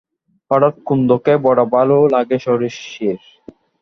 হঠাৎ কুন্দকে বড় ভালো লাগে শশীর।